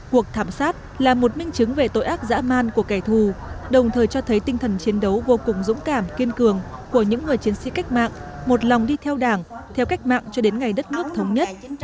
cuộc thảm sát là một minh chứng về tội ác dã man của kẻ thù đồng thời cho thấy tinh thần chiến đấu vô cùng dũng cảm kiên cường của những người chiến sĩ cách mạng một lòng đi theo đảng theo cách mạng cho đến ngày đất nước thống nhất